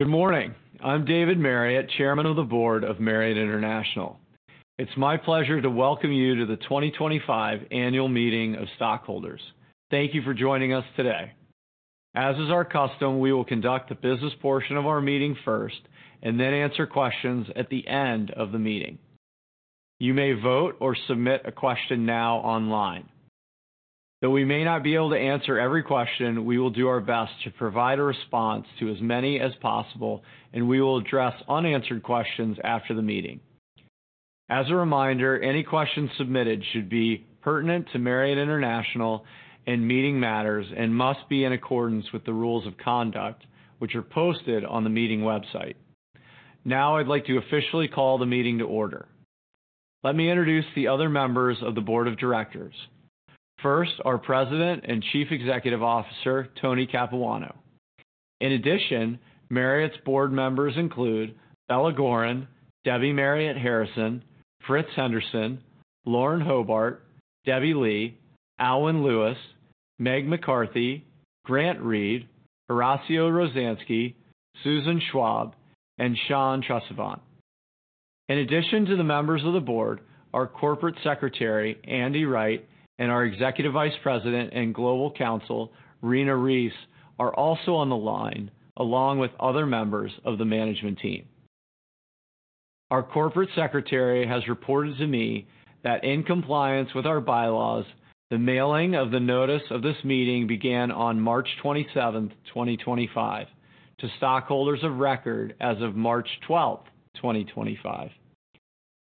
Good morning. I'm David Marriott, Chairman of the Board of Marriott International. It's my pleasure to welcome you to the 2025 Annual Meeting of Stockholders. Thank you for joining us today. As is our custom, we will conduct the business portion of our meeting first and then answer questions at the end of the meeting. You may vote or submit a question now online. Though we may not be able to answer every question, we will do our best to provide a response to as many as possible, and we will address unanswered questions after the meeting. As a reminder, any questions submitted should be pertinent to Marriott International and meeting matters and must be in accordance with the rules of conduct, which are posted on the meeting website. Now, I'd like to officially call the meeting to order. Let me introduce the other members of the Board of Directors. First, our President and Chief Executive Officer, Anthony Capuano. In addition, Marriott's board members include Bella Goren, Debbie Marriott Harrison, Fritz Henderson, Lauren Hobart, Debra Lee, Aylwin Lewis, Meg McCarthy, Grant Reid, Horacio Rozanski, Susan Schwab, and Sean Tresvant. In addition to the members of the board, our Corporate Secretary, Andy Wright, and our Executive Vice President and Global Counsel, Rena Reiss, are also on the line, along with other members of the management team. Our Corporate Secretary has reported to me that, in compliance with our bylaws, the mailing of the notice of this meeting began on March 27, 2025, to stockholders of record as of March 12, 2025.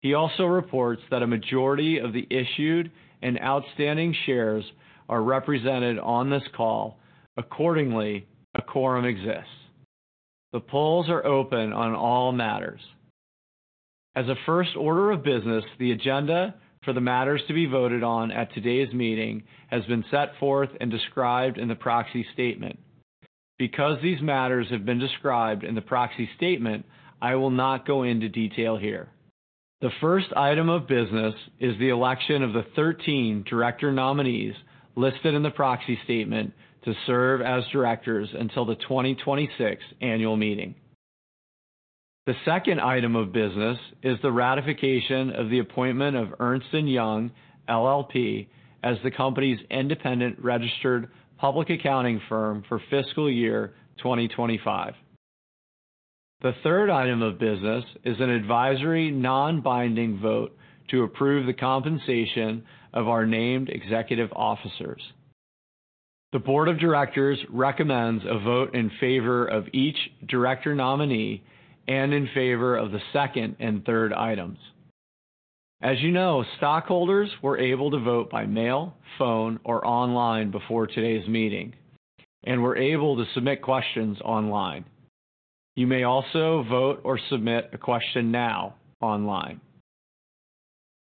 He also reports that a majority of the issued and outstanding shares are represented on this call. Accordingly, a quorum exists. The polls are open on all matters. As a first order of business, the agenda for the matters to be voted on at today's meeting has been set forth and described in the proxy statement. Because these matters have been described in the proxy statement, I will not go into detail here. The first item of business is the election of the 13 director nominees listed in the proxy statement to serve as directors until the 2026 Annual Meeting. The second item of business is the ratification of the appointment of Ernst & Young LLP as the company's independent registered public accounting firm for fiscal year 2025. The third item of business is an advisory non-binding vote to approve the compensation of our named executive officers. The Board of Directors recommends a vote in favor of each director nominee and in favor of the second and third items. As you know, stockholders were able to vote by mail, phone, or online before today's meeting and were able to submit questions online. You may also vote or submit a question now online.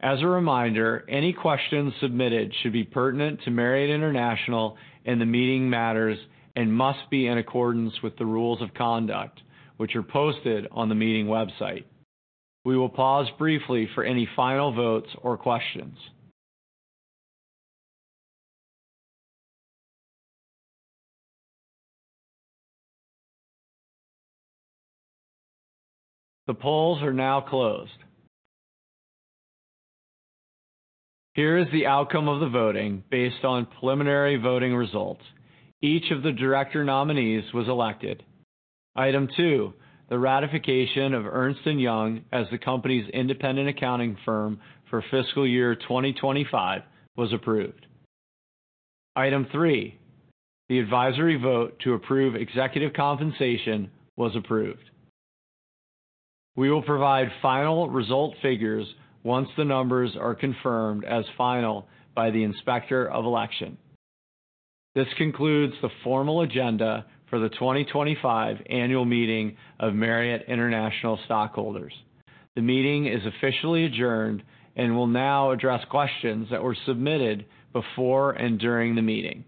As a reminder, any questions submitted should be pertinent to Marriott International and the meeting matters and must be in accordance with the rules of conduct, which are posted on the meeting website. We will pause briefly for any final votes or questions. The polls are now closed. Here is the outcome of the voting based on preliminary voting results. Each of the director nominees was elected. Item two, the ratification of Ernst & Young LLP as the company's independent accounting firm for fiscal year 2025 was approved. Item three, the advisory vote to approve executive compensation was approved. We will provide final result figures once the numbers are confirmed as final by the inspector of election. This concludes the formal agenda for the 2025 Annual Meeting of Marriott International Stockholders. The meeting is officially adjourned and will now address questions that were submitted before and during the meeting.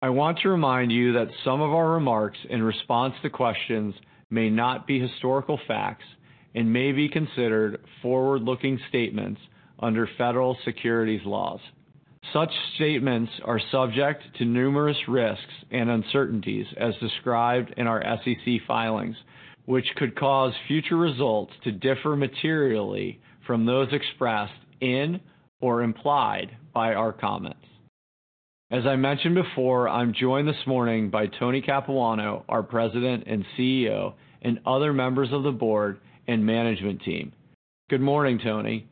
I want to remind you that some of our remarks in response to questions may not be historical facts and may be considered forward-looking statements under federal securities laws. Such statements are subject to numerous risks and uncertainties, as described in our SEC filings, which could cause future results to differ materially from those expressed in or implied by our comments. As I mentioned before, I'm joined this morning by Anthony Capuano, our President and CEO, and other members of the board and management team. Good morning, Tony.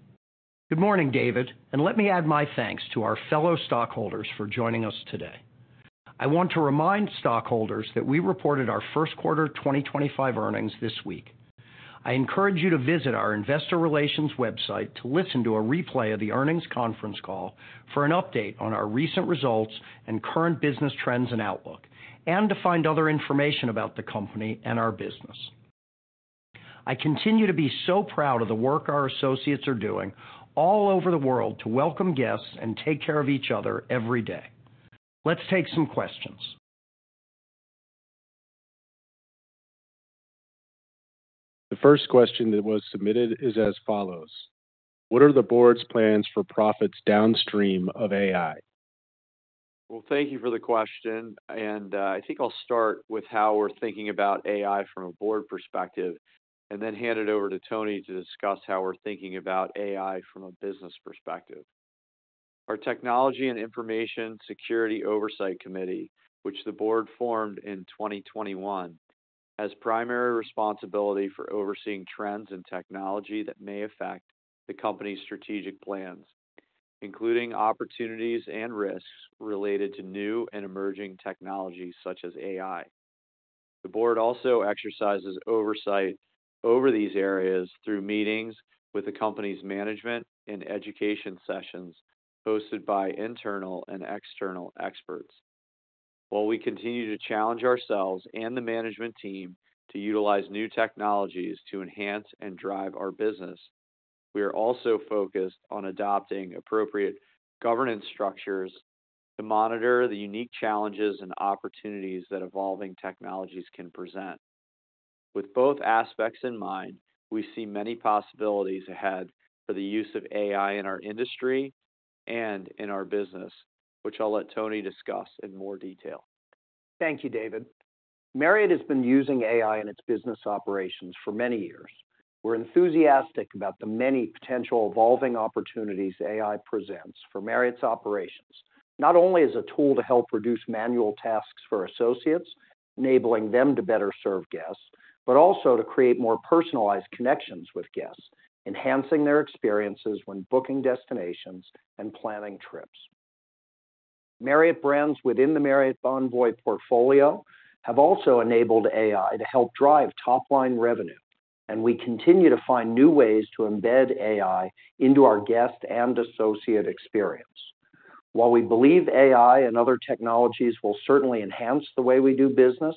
Good morning, David. Let me add my thanks to our fellow stockholders for joining us today. I want to remind stockholders that we reported our First Quarter 2025 Earnings this week. I encourage you to visit our investor relations website to listen to a replay of the earnings conference call for an update on our recent results and current business trends and outlook, and to find other information about the company and our business. I continue to be so proud of the work our associates are doing all over the world to welcome guests and take care of each other every day. Let's take some questions. The first question that was submitted is as follows: What are the board's plans for profits downstream of AI? Thank you for the question. I think I'll start with how we're thinking about AI from a board perspective and then hand it over to Tony to discuss how we're thinking about AI from a business perspective. Our Technology and Information Security Oversight Committee, which the board formed in 2021, has primary responsibility for overseeing trends in technology that may affect the company's strategic plans, including opportunities and risks related to new and emerging technologies such as AI. The board also exercises oversight over these areas through meetings with the company's management and education sessions hosted by internal and external experts. While we continue to challenge ourselves and the management team to utilize new technologies to enhance and drive our business, we are also focused on adopting appropriate governance structures to monitor the unique challenges and opportunities that evolving technologies can present. With both aspects in mind, we see many possibilities ahead for the use of AI in our industry and in our business, which I'll let Tony discuss in more detail. Thank you, David. Marriott has been using AI in its business operations for many years. We're enthusiastic about the many potential evolving opportunities AI presents for Marriott's operations, not only as a tool to help reduce manual tasks for associates, enabling them to better serve guests, but also to create more personalized connections with guests, enhancing their experiences when booking destinations and planning trips. Marriott brands within the Marriott Bonvoy portfolio have also enabled AI to help drive top-line revenue, and we continue to find new ways to embed AI into our guest and associate experience. While we believe AI and other technologies will certainly enhance the way we do business,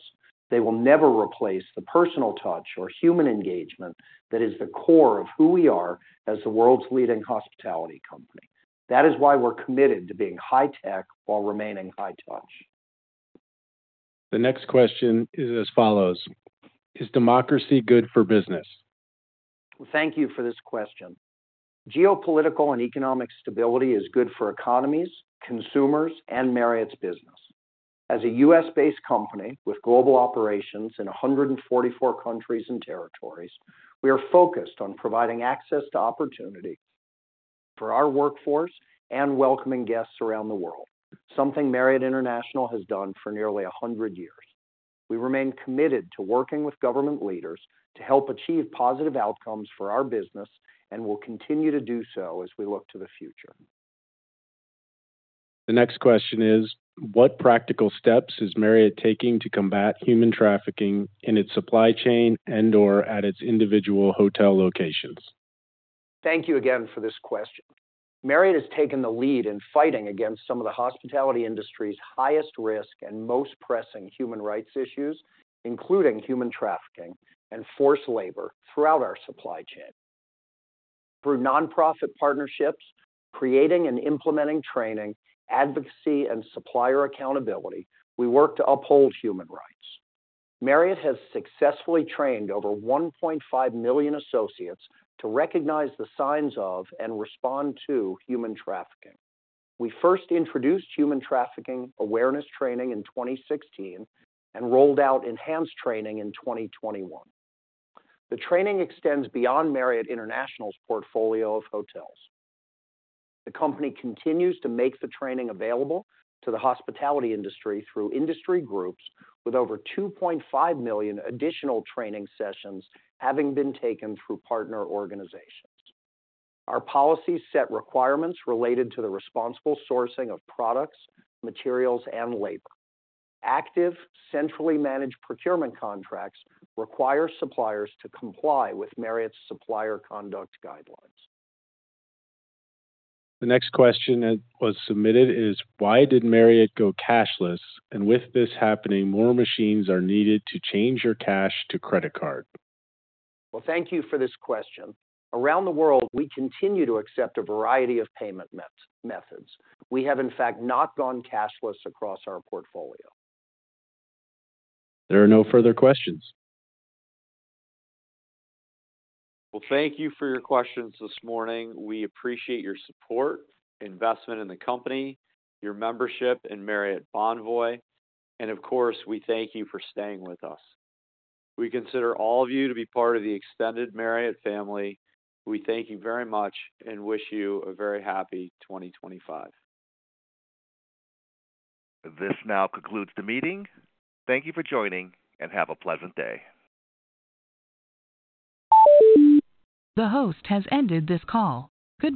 they will never replace the personal touch or human engagement that is the core of who we are as the world's leading hospitality company. That is why we're committed to being high-tech while remaining high-touch. The next question is as follows: Is democracy good for business? Thank you for this question. Geopolitical and economic stability is good for economies, consumers, and Marriott's business. As a U.S.-based company with global operations in 144 countries and territories, we are focused on providing access to opportunity for our workforce and welcoming guests around the world, something Marriott International has done for nearly 100 years. We remain committed to working with government leaders to help achieve positive outcomes for our business and will continue to do so as we look to the future. The next question is: What practical steps is Marriott taking to combat human trafficking in its supply chain and/or at its individual hotel locations? Thank you again for this question. Marriott has taken the lead in fighting against some of the hospitality industry's highest risk and most pressing human rights issues, including human trafficking and forced labor throughout our supply chain. Through nonprofit partnerships, creating and implementing training, advocacy, and supplier accountability, we work to uphold human rights. Marriott has successfully trained over 1.5 million associates to recognize the signs of and respond to human trafficking. We first introduced human trafficking awareness training in 2016 and rolled out enhanced training in 2021. The training extends beyond Marriott International's portfolio of hotels. The company continues to make the training available to the hospitality industry through industry groups, with over 2.5 million additional training sessions having been taken through partner organizations. Our policies set requirements related to the responsible sourcing of products, materials, and labor. Active, centrally managed procurement contracts require suppliers to comply with Marriott's supplier conduct guidelines. The next question that was submitted is: Why did Marriott go cashless? With this happening, more machines are needed to change your cash to credit card. Thank you for this question. Around the world, we continue to accept a variety of payment methods. We have, in fact, not gone cashless across our portfolio. There are no further questions. Thank you for your questions this morning. We appreciate your support, investment in the company, your membership in Marriott Bonvoy. Of course, we thank you for staying with us. We consider all of you to be part of the extended Marriott family. We thank you very much and wish you a very happy 2025.This now concludes the meeting. Thank you for joining and have a pleasant day. The host has ended this call. Good bye.